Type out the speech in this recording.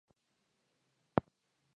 هغه په ټولو واکمنیو کې ناپېیلی پاتې شو